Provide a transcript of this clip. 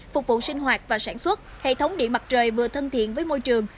phục vụ sinh hoạt và sản xuất hệ thống điện mặt trời vừa thân thiện với môi trường